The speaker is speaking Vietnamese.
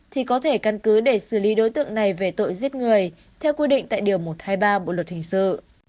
thì có thể căn cứ để xử lý đối tượng này về tội giết người theo quy định tại điều một trăm hai mươi ba bộ luật hình sự